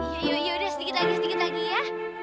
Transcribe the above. ya ya yaudah sedikit lagi sedikit lagi ya